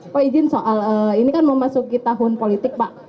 pak izin soal ini kan memasuki tahun politik pak